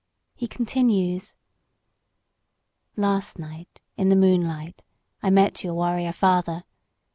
He continues: "Last night in the moonlight I met your warrior father.